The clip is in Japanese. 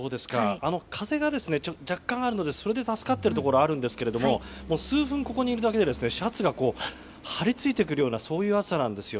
風が若干あるのでそれで助かっている部分はあるんですけども数分ここにいるだけでシャツが張り付いてくるような暑さです。